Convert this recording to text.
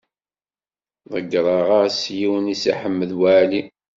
Ḍeyyreɣ-as yiwen i Si Ḥmed Waɛli.